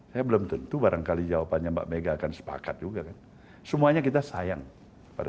saya belum tentu barangkali jawabannya mbak mega akan sepakat juga kan semuanya kita sayang pada